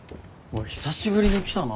久しぶりに来たな。